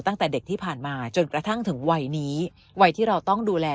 ตั้งแต่เด็กที่ผ่านมาจนกระทั่งถึงวัยนี้วัยที่เราต้องดูแล